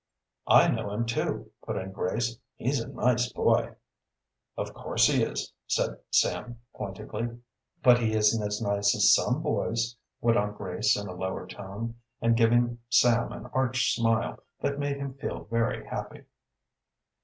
"I know him, too," put in Grace. "He's a nice boy." "Of course he is," said Sam pointedly. "But he isn't as nice as some boys," went on Grace in a lower tone, and giving Sam an arch smile that made him feel very happy.